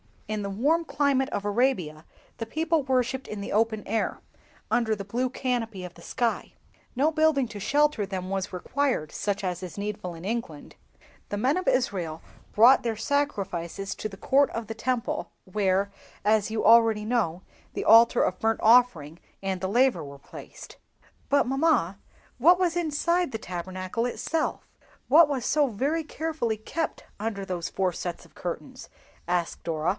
"In the warm climate of Arabia the people worshipped in the open air, under the blue canopy of the sky; no building to shelter them was required, such as is needful in England. The men of Israel brought their sacrifices to the court of the Tabernacle, where, as you already know, the Altar of burnt offering and the Laver were placed." [Illustration: THE GOLDEN CANDLESTICK. Children's Tabernacle. p. 52.] "But, mamma, what was inside the Tabernacle itself—what was so very carefully kept under those four sets of curtains?" asked Dora.